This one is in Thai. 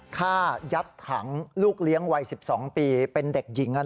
ฆ่ายัดถังลูกเลี้ยงวัย๑๒ปีเป็นเด็กหญิง